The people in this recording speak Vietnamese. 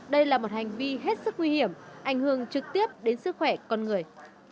đây là một hành vi hết sức nguy hiểm ảnh hưởng trực tiếp đến sức khỏe con người